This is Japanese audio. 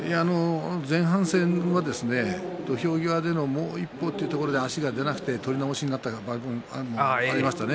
前半戦は土俵際のもう一歩というところで足が出なくて取り直しになったこともありましたね。